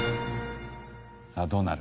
さあどうなる？